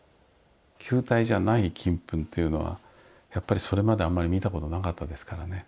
球体じゃない金粉というのはやっぱりそれまであんまり見たことなかったですからね。